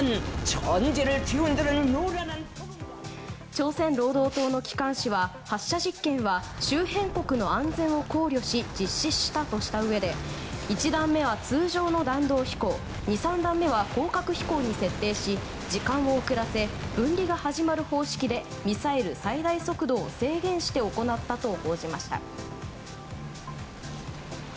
朝鮮労働党の機関紙は発射実験は周辺国の安全を考慮し実施したとしたうえで１段目は通常の弾道飛行２３段目は高角飛行に設定し時間を遅らせ分離が始まる方式でミサイル最大速度を制限して行ったと報じました。